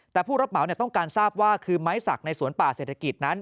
แต่ผู้รับเหมาต้องการทราบว่าคือไม้สักในสวนป่าเศรษฐกิจนั้น